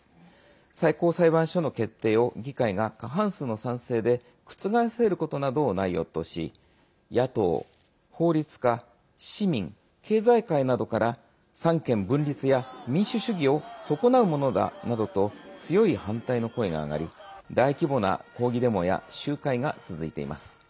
最高裁判所の決定を議会が過半数の賛成で覆せることなどを内容とし野党、法律家、市民経済界などから三権分立や民主主義を損なうものだなどと強い反対の声が上がり大規模な抗議デモや集会が続いています。